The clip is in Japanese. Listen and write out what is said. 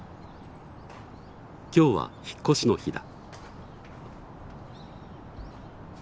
今日は引っ越しの日だ。